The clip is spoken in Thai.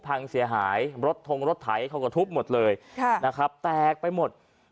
พังเสียหายรถทงรถไถเขาก็ทุบหมดเลยนะครับแตกไปหมด